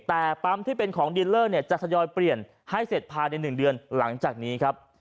แต่ปั๊มที่เป็นของดีลเลอร์จะทยอยเปลี่ยนให้เสร็จผ่านใน๑เดือนหลังจากนี้